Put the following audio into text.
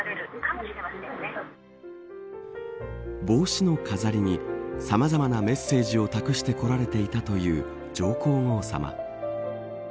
帽子の飾りにさまざまなメッセージを託してこられていたという上皇后さま。